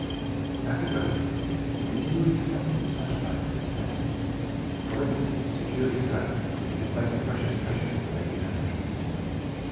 As he rode he continually felt his saddle bag with his hand, for in it, securely strapped, he had placed the precious treasures of the Lady Ermyntrude.